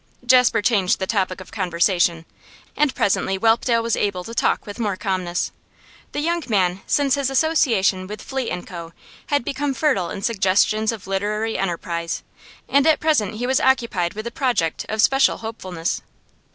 Jasper changed the topic of conversation, and presently Whelpdale was able to talk with more calmness. The young man, since his association with Fleet & Co., had become fertile in suggestions of literary enterprise, and at present he was occupied with a project of special hopefulness.